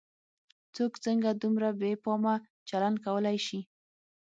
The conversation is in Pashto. څوک څنګه دومره بې پامه چلن کولای شي.